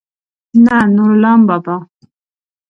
نه نورلام بابا.